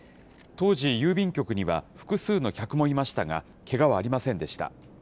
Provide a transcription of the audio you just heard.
当時、郵便局には複数の客もいましたが、けがはありませんでした。